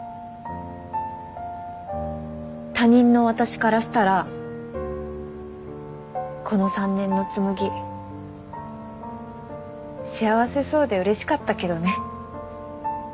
他人の私からしたらこの３年の紬幸せそうでうれしかったけどね。